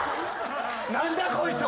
何だこいつ！？